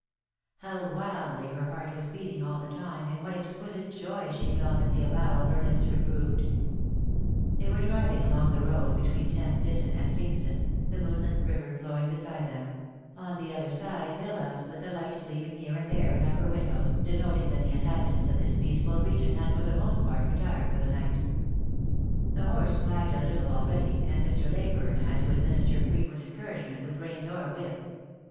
How wildly her heart was beating all the time, and what ex quisite joy she felt at the avowal her lips reproved I They were driving along the road between Thames Ditton and Kingston, the moonlit river flowing beside them ; on the other side villas, with a light gleaming here and there in upper windows, denoting that the inhabitants of this peaceful region had for the most part retired for the night. The horse flagged a little already, and Mr. Leyburne had to administer frequent encouragement with reins or whip.